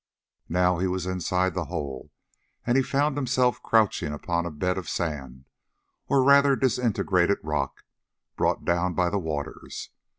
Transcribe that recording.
Now he was inside the hole, and found himself crouching upon a bed of sand, or rather disintegrated rock, brought down by the waters.